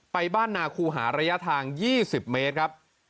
ไปบ้านนาคูหาระยะทาง๒๐เมตรครับ